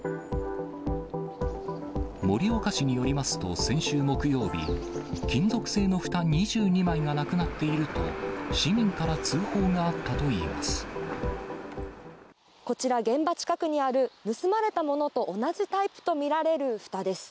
盛岡市によりますと、先週木曜日、金属製のふた２２枚がなくなっていると、市民から通報があったとこちら、現場近くにある盗まれたものと同じタイプと見られるふたです。